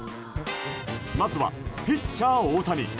まずはピッチャー大谷。